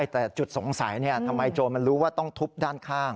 แต่จุดสงสัยทำไมโจรมันรู้ว่าต้องทุบด้านข้าง